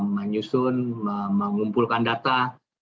menyusun mengumpulkan data